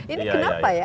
ini kenapa ya